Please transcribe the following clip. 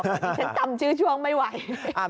ดิฉันจำชื่อช่วงไม่ไหว